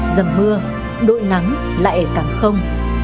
giầm mưa đội nắng lại càng không